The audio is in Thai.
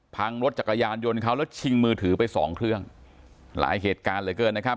รถจักรยานยนต์เขาแล้วชิงมือถือไปสองเครื่องหลายเหตุการณ์เหลือเกินนะครับ